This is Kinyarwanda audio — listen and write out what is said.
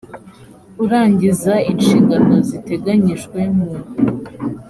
urangiza inshingano ziteganyijwe mu